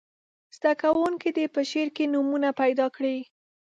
زده کوونکي دې په شعر کې نومونه پیداکړي.